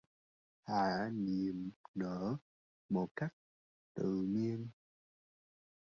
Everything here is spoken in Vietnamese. Hạ niềm nở một cách tự nhiên